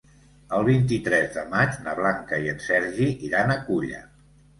El vint-i-tres de maig na Blanca i en Sergi iran a Culla.